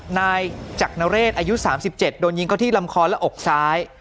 นายจักรนเรศอายุ๓๗โดนยิงเข้าที่ลำคอและอกซ้าย